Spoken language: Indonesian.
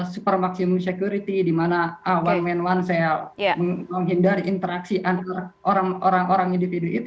super maksimum security di mana one man one cell menghindari interaksi antara orang orang individu itu